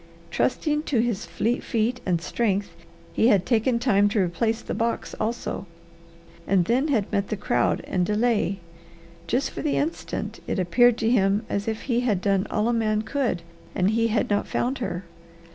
Trusting to his fleet feet and strength he had taken time to replace the box also, and then had met the crowd and delay. Just for the instant it appeared to him as if he had done all a man could, and he had not found her.